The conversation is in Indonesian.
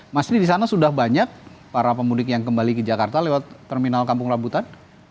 mas ini di sana sudah banyak para pemudik yang kembali ke jakarta lewat terminal kampung rambutan